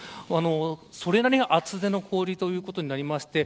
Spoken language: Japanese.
それなりの厚手の氷ということになります。